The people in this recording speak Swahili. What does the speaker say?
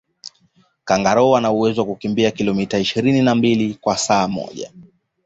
kangaroo anawezo kukimbia kilometa ishirini na mbili kwa saa moja